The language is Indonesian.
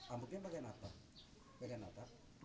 amruknya bagian atap